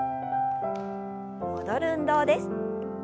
戻る運動です。